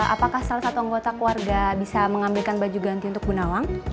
apakah salah satu anggota keluarga bisa mengambilkan baju ganti untuk gunawang